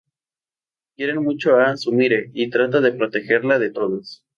Quiere mucho a Sumire y trata de protegerla de todos.